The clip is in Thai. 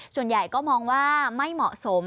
ส่วนใหญ่ก็มองว่าไม่เหมาะสม